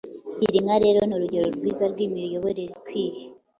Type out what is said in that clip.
Gira inka rero ni urugero rwiza rw’imiyoborere ikwiye.